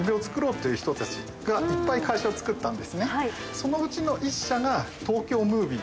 そのうちの１社が東京ムービー。